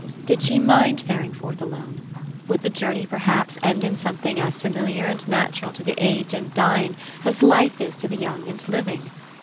Did she mind faring forth alone? Would the journey perhaps end in something as familiar and natural to the aged and dying as life is to the young and living?